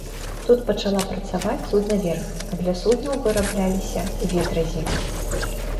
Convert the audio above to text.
Тут пачала працаваць суднаверф, а для суднаў вырабляліся ветразі.